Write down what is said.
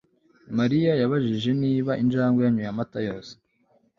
mariya yabajije niba injangwe yanyoye amata yose